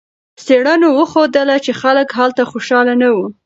څېړنو وښودله چې خلک هلته خوشحاله نه وو.